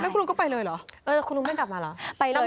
คุณลุงก็ไปเลยเหรอคุณลุงไม่กลับมาเหรอ